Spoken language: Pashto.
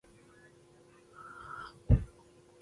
چې دا د پاکستان د مجموعي خالص عاید، اویا سلنه تشکیلوي.